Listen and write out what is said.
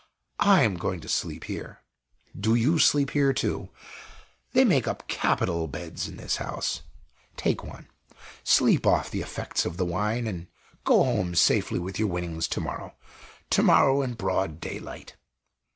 I am going to sleep here; do you sleep here, too they make up capital beds in this house take one; sleep off the effects of the wine, and go home safely with your winnings to morrow to morrow, in broad daylight."